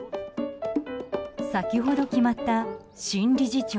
先ほど決まった新理事長。